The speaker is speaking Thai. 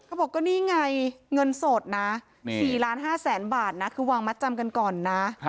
เขาบอกนี่ไงเงินสดนะ๔๕๐๐๐๐๐บาทคือวางมาจำกันก่อนนะ